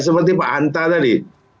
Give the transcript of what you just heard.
seperti pak anta tadi